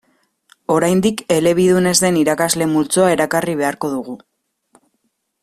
Oraindik elebidun ez den irakasle multzoa erakarri beharko dugu.